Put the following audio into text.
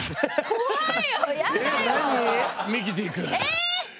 怖い。